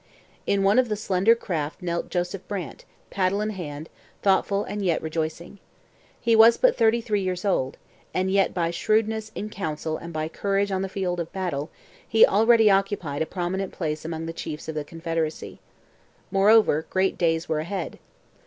In one of the slender craft knelt Joseph Brant, paddle in hand, thoughtful and yet rejoicing. He was but thirty three years old, and yet, by shrewdness in council and by courage on the field of battle, he already occupied a prominent place among the chiefs of the confederacy. Moreover, great days were ahead.